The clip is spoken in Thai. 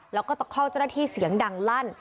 แล้วก็ตะคอกเจ้าหน้าที่เสียงดังลั่น